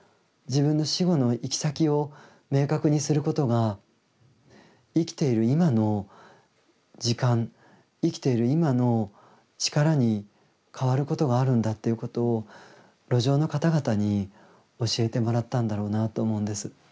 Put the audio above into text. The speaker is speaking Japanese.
自分の死後の行き先を明確にすることが生きている今の時間生きている今の力に変わることがあるんだということを路上の方々に教えてもらったんだろうなと思うんです。